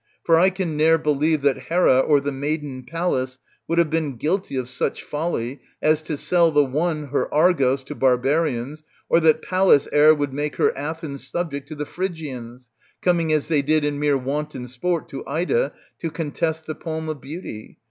For I can ne'er believe that Hera or the maiden Pallas would have been guilty of such folly, as to sell, the one, her Argos to bar barians, or that Pallas e'er would make her Athens subject to the Phrygians, coming as they did in mere wanton sport to Ida to contest the palm of beauty.